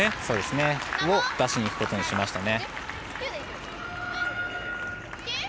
それを出しにいくことにしましたね。